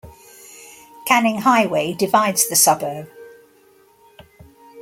Canning Highway divides the suburb.